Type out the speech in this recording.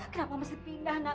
kenapa mesti pindah nak